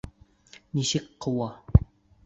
Нисек ҡыуа?